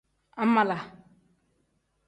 Angmaala.